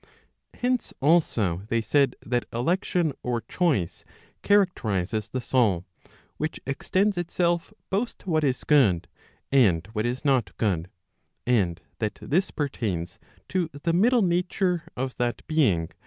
Hence also, they said that election or choice characterizes the soul, which extends itself both to what is good, and what is not good, and that this pertains to the middle nature of that being which is *.